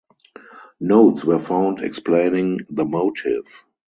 Notes were found explaining the motive.